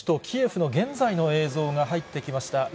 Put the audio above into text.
キエフの現在の映像が入ってきました。